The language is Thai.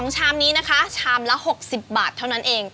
ชามนี้นะคะชามละ๖๐บาทเท่านั้นเอง